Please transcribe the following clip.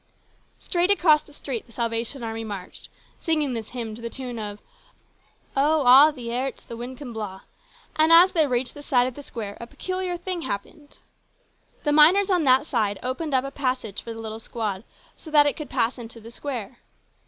Straight across the street the Salvation Army marched, singing this hymn to the tune of " O' a' the airts the winds can blaw," and as they reached the side of the square a peculiar thing happened. The miners on that side opened up a passage for the little squad so that it could pass into the square.